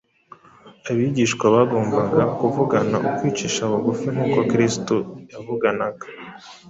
Abigishwa bagombaga kuvugana ukwicisha bugufi nk’uko Kristo yavuganaga.